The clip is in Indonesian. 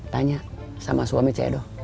tanya sama suami seyado